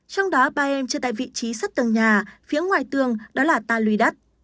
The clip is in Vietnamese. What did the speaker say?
trong đó ba em chơi tại vị trí sắt tường nhà phía ngoài tường đó là ta lui đất